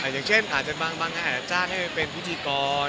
อย่างเช่นบางนั้นอาจจะจ้างให้เป็นพุธีกร